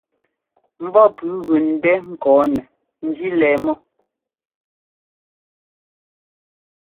Ḿbɔ́ pʉ́ʉ gʉ ńdɛ́ ŋkɔɔnɛ njí lɛɛ mɔ́.